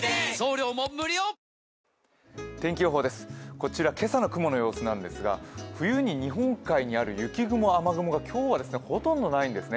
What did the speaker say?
こちら、今朝の雲の様子なんですが冬に日本海にある雪雲、雨雲が今日はほとんどないんですね。